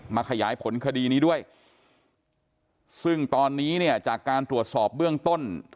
ขยายผลคดีนี้ด้วยซึ่งตอนนี้เนี่ยจากการตรวจสอบเบื้องต้น